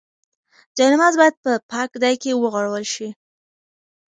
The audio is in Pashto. جاینماز باید په پاک ځای کې وغوړول شي.